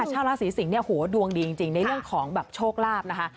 ชาวราศีสิงศ์เนี่ยโหดวงดีจริงในเรื่องของแบบโชคลาภนะคะ